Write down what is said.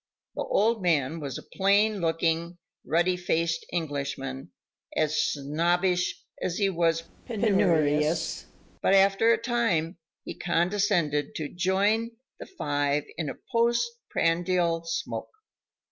The old man was a plain looking ruddy faced Englishman, as snobbish as he was penurious, but after a time he condescended to "join" the five in a post prandial smoke.